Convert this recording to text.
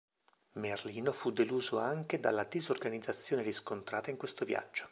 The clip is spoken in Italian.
Merlino fu deluso anche dalla disorganizzazione riscontrata in questo viaggio.